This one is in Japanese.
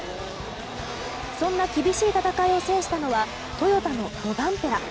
そんな厳しい戦いを制したのはトヨタのロバンペラ。